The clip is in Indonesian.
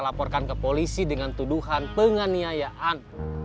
laporkan ke polisi dengan tuduhan penganiayaan